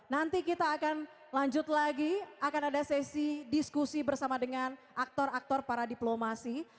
nanti kita akan lanjut lagi akan ada sesi diskusi bersama dengan aktor aktor para diplomasi